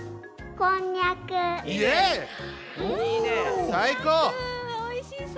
こんにゃくおいしそう。